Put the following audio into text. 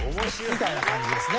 みたいな感じですね。